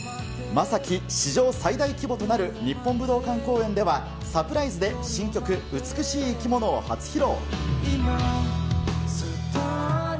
将暉、史上最大規模となる日本武道館公演では、サプライズで新曲、美しい生き物を初披露。